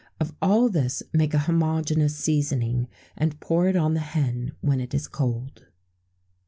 Of all this make a homogeneous seasoning, and pour it on the hen when it is cold.